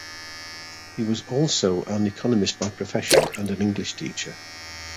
He was also an economist by profession and an English teacher.